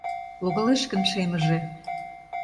Логалеш гын шемыже